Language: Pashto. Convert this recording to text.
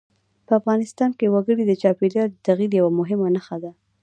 په افغانستان کې وګړي د چاپېریال د تغیر یوه مهمه نښه ده.